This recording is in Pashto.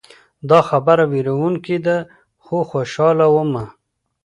دا خبره ویروونکې ده خو خوشحاله ومه.